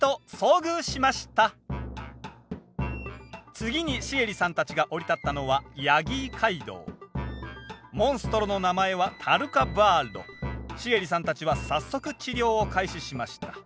次にシエリさんたちが降り立ったのはモンストロの名前はシエリさんたちは早速治療を開始しました。